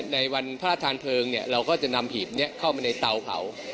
ในวันพระธานเพลิงเราก็จะนำหีบนี้เข้ามาในเตาเผา